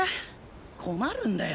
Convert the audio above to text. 困るんだよ